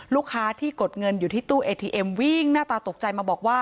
ลูกค้าที่กดเงินอยู่ที่ตู้เอทีเอ็มวิ่งหน้าตาตกใจมาบอกว่า